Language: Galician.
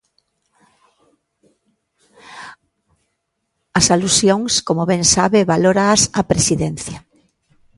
As alusións como ben sabe valóraas a Presidencia.